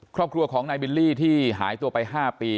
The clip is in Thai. ครอบครัวของนายบิลลี่ที่หายตัวไป๕ปี